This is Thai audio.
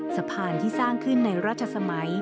สะพานที่สร้างขึ้นในราชสมัย